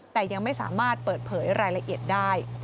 แต่ยังไม่สามารถเปิดเผยรายละเอียดได้